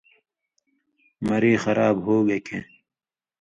مری خراب ہُوگے کھیں